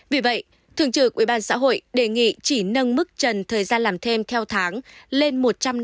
vì vậy thường trực ubnd xã hội đề nghị chỉ nâng mức trần thời gian làm thêm theo tháng lên một trăm năm mươi